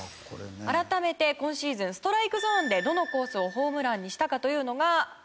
改めて今シーズンストライクゾーンでどのコースをホームランにしたかというのがこちらです。